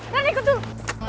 ren ikut dulu